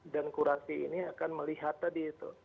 dan kurasi ini akan melihat tadi itu